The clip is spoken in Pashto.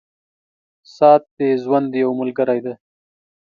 • ساعت د ژوند یو ملګری دی.